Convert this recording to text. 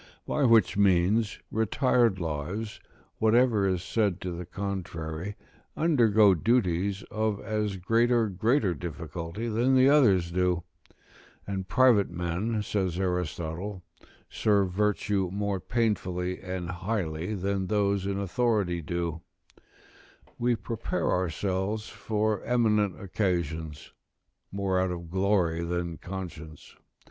By which means, retired lives, whatever is said to the contrary, undergo duties of as great or greater difficulty than the others do; and private men, says Aristotle,' serve virtue more painfully and highly than those in authority do: we prepare ourselves for eminent occasions, more out of glory than conscience.